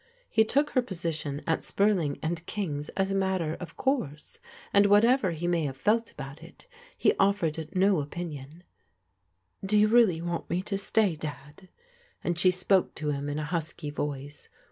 He took her position at Spurling and King's as a mat ter of course, and whatever he may have felt about it, he offered no opinion. " Do you really want me to stay, Dad? " and she spoke to him in a husky voice.